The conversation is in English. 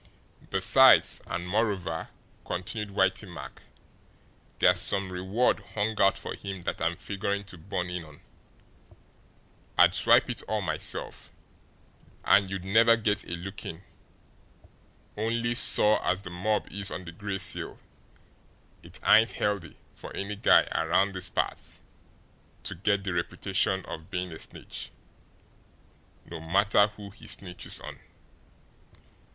"Besides, and moreover," continued Whitey Mack, "there's SOME reward hung out for him that I'm figuring to born in on. I'd swipe it all myself, don't you make any mistake about that, and you'd never get a look in, only, sore as the mob is on the Gray Seal, it ain't healthy for any guy around these parts to get the reputation of being a snitch, no matter who he snitches on.